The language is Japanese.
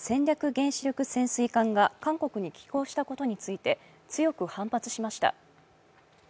原子力潜水艦が韓国に寄港したことについて強く反発しました。